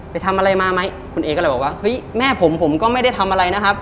ไปทำอะไรมาไหมคุณเอก็เลยบอกว่าเฮ้ยแม่ผมผมก็ไม่ได้ทำอะไรนะครับ